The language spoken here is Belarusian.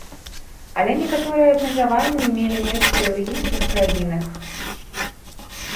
Але некаторыя абмежаванні мелі месца і ў іншых краінах.